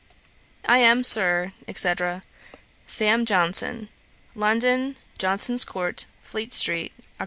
'I am, Sir, &c. 'SAM. JOHNSON.' 'London, Johnson's court, Fleet street, Oct.